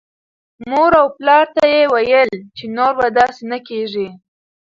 مور او پلار ته یې ویل چې نور به داسې نه کېږي.